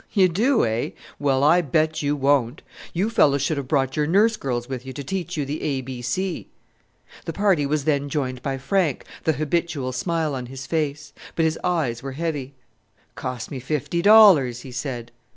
"You do, eh? well, I bet you won't. You fellows should have brought your nurse girls with you to teach you the A B C." The party was then joined by Frank, the habitual smile on his face; but his eyes were heavy. "Cost me fifty dollars!" he said.